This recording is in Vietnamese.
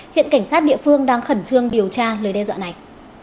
hiện cảnh sát địa phương đang khẩn trương điều tra lời đe dọa này